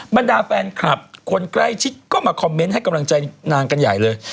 บรรดาแฟนคลับคนใกล้ชิดก็มาคอมเมนต์ให้กำลังใจนางกันใหญ่เลย